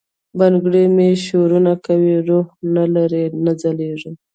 بنګړي مي شورنه کوي، روح نه لری، نه ځلیږي